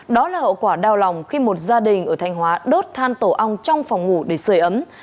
đó là hậu quả đau lòng khi một gia đình ở thanh hóa đốt than tổ ong trong phòng ngủ để sửa ấm